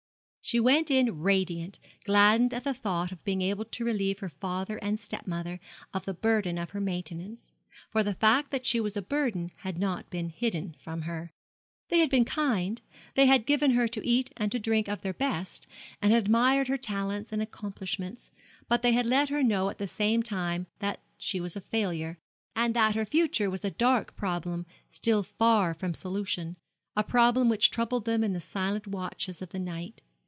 She went in radiant, gladdened at the thought of being able to relieve her father and step mother of the burden of her maintenance; for the fact that she was a burden had not been hidden from her. They had been kind; they had given her to eat and to drink of their best, and had admired her talents and accomplishments; but they had let her know at the same time that she was a failure, and that her future was a dark problem still far from solution a problem which troubled them in the silent watches of the night.